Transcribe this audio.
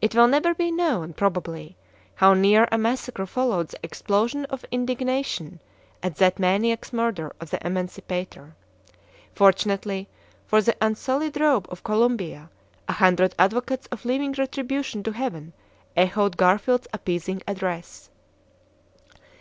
It will never be known, probably, how near a massacre followed the explosion of indignation at that maniac's murder of the Emancipator. Fortunately for the unsullied robe of Columbia, a hundred advocates of leaving retribution to Heaven echoed Garfield's appeasing address.